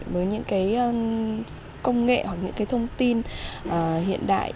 với những cái công nghệ hoặc những cái thông tin hiện đại